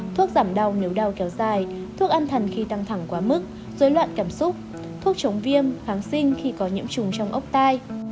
thuốc giảm đau nếu đau kéo dài thuốc an thần khi tăng thẳng quá mức dối loạn cảm xúc thuốc chống viêm kháng sinh khi có nhiễm trùng trong ốc tai